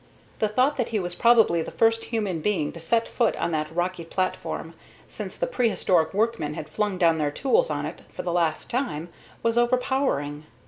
The thought that he was probably the first human being to set foot on that rocky platform since the prehistoric workmen had flung down their tools on it for the last time was overpowering.